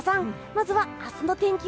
まずは明日の天気